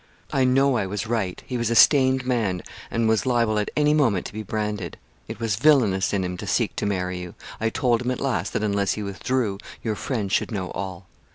'I know I was right. He was a stained man, and was liable at any moment to be branded. It was villainous in him to seek to marry you. I told him at last that, unless he withdrew, your friends should know all.